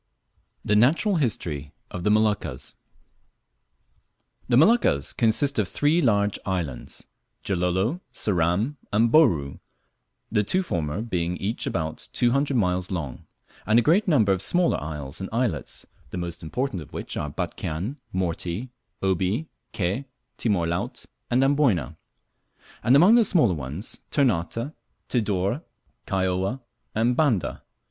THE NATURAL HISTORY OF THE MOLUCCAS. THE Moluccas consist of three large islands, Gilolo, Ceram, and Bouru, the two former being each about two hundred miles long; and a great number of smaller isles and islets, the most important of which are Batchian, Morty, Obi, Ke, Timor Laut, and Amboyna; and among the smaller ones, Ternate, Tidore, Kaióa, and Banda.